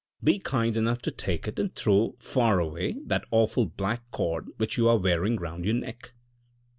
Be kind enough to take it and throw far away that awful black cord which you are wearing round your neck."